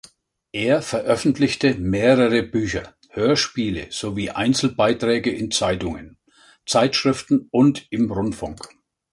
Er veröffentlichte mehrere Bücher, Hörspiele, sowie Einzelbeiträge in Zeitungen, Zeitschriften und im Rundfunk.